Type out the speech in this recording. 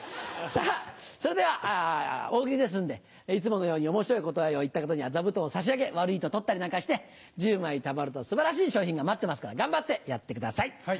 さぁそれでは大喜利ですんでいつものように面白い答えを言った方には座布団を差し上げ悪いと取ったりなんかして１０枚たまると素晴らしい賞品が待ってますから頑張ってやってください！